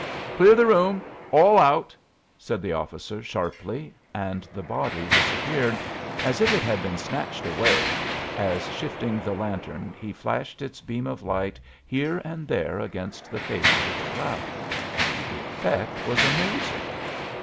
"Clear the room out, all!" said the officer, sharply, and the body disappeared as if it had been snatched away, as shifting the lantern he flashed its beam of light here and there against the faces of the crowd. The effect was amazing!